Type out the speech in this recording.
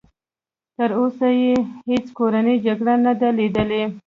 تر اوسه یې هېڅ کورنۍ جګړه نه ده لیدلې.